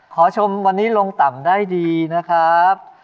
ขอชมวันนี้ลงต่ำได้ดีนะครับ